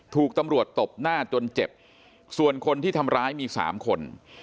ถูกตำรวจตบหน้าจนเจ็บส่วนคนที่ทำร้ายมี๓คน